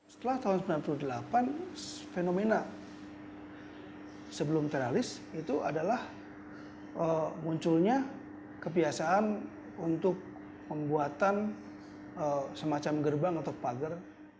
setelah tahun sembilan puluh delapan fenomena sebelum tralis itu adalah munculnya kebiasaan untuk pembuatan semacam gerbang atau pagar